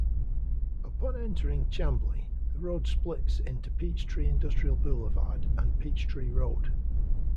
Upon entering Chamblee, the road splits into Peachtree Industrial Boulevard and Peachtree Road.